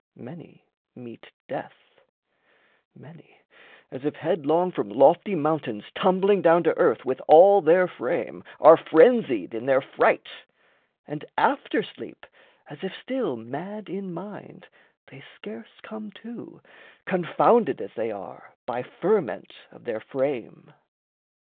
Many meet death; many, as if headlong From lofty mountains tumbling down to earth With all their frame, are frenzied in their fright; And after sleep, as if still mad in mind, They scarce come to, confounded as they are By ferment of their frame.